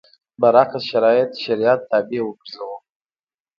برعکس شرایط شریعت تابع وګرځوو.